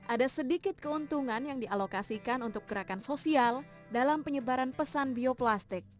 ada sedikit keuntungan yang dialokasikan untuk gerakan sosial dalam penyebaran pesan bioplastik